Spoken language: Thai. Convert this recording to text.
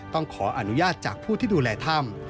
ต้องขออนุญาตจากผู้ที่ดูแลถ้ำ